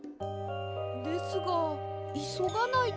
ですがいそがないと。